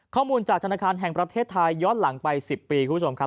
ข้อมูลจากธนาคารแห่งประเทศไทยย้อนหลังไป๑๐ปีคุณผู้ชมครับ